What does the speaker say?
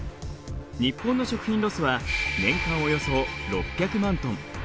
日本の食品ロスは年間およそ６００万トン。